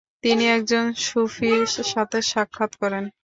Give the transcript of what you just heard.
তিনি একজন সুফির সাথে সাক্ষাৎ করেন।